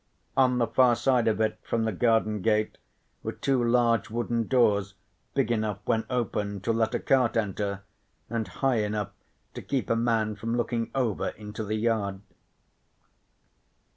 On the far side of it from the garden gate were two large wooden doors big enough when open to let a cart enter, and high enough to keep a man from looking over into the yard.